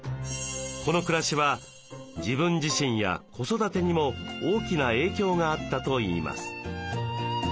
この暮らしは自分自身や子育てにも大きな影響があったといいます。